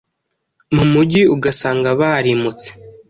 mu mugi ugasanga barimutse?